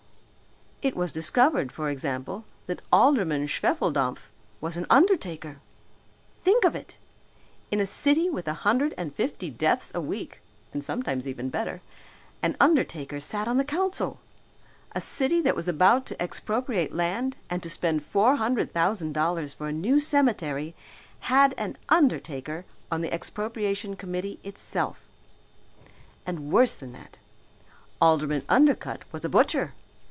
It was discovered, for example, that Alderman Schwefeldampf was an undertaker! Think of it! In a city with a hundred and fifty deaths a week, and sometimes even better, an undertaker sat on the council! A city that was about to expropriate land and to spend four hundred thousand dollars for a new cemetery, had an undertaker on the expropriation committee itself! And worse than that! Alderman Undercutt was a butcher!